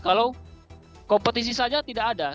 kalau kompetisi saja tidak ada